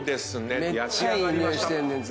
めっちゃいい匂いしてんねん。